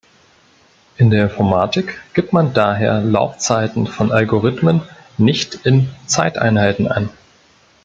In der Informatik gibt man daher Laufzeiten von Algorithmen nicht in Zeiteinheiten an.